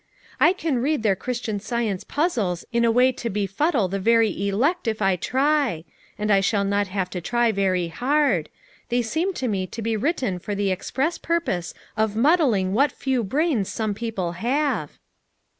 I can read their Christian Science puz zles in a way to befuddle the very elect if I try; and I shall not have to try very hard ; they seem to me to be written for the express purpose of muddling what few brains some people have."